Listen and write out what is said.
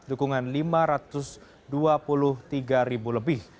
dukungan lima ratus dua puluh tiga ribu lebih